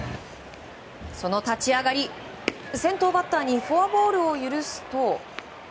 その立ち上がり、先頭バッターにフォアボールを許すと。